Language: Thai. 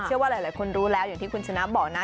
เชื่อว่าหลายคนรู้แล้วอย่างที่คุณชนะบอกนะ